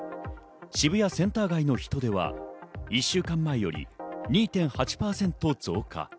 渋谷センター街の人出は１週間前より２．８％増加。